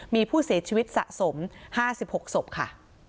มีผู้เสียชีวิตสะสม๕๖ศพค่ะ